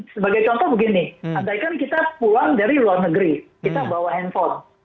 sebagai contoh begini andaikan kita pulang dari luar negeri kita bawa handphone